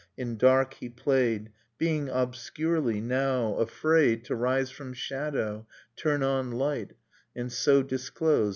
In dark he played, Being obscurely, now, afraid To rise from shadow, turn on light, And so disclose